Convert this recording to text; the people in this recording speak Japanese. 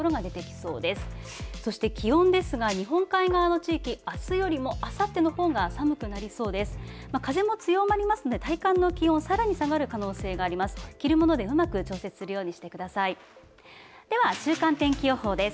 そして気温ですが、日本海側の地域、あすよりもあさってのほうが寒くなりそうです。